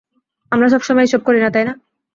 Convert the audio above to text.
আমরা সবসময় এসব করি, তাইনা?